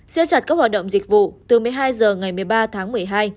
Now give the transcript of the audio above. xếp chặt các hoạt động dịch vụ từ một mươi hai h ngày một mươi ba tháng một mươi hai